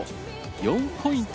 ４ポイント